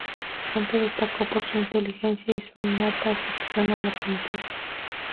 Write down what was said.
Pronto destacó por su inteligencia y su innata afición a la pintura.